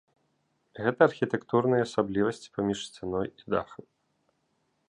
Гэта архітэктурныя асаблівасці паміж сцяной і дахам.